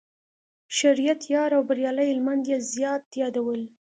شریعت یار او بریالي هلمند یې زیات یادول.